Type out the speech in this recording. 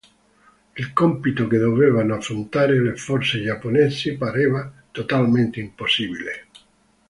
Il compito che dovevano affrontare le forze giapponesi pareva totalmente impossibile.